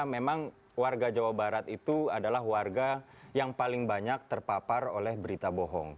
memang warga jawa barat itu adalah warga yang paling banyak terpapar oleh berita bohong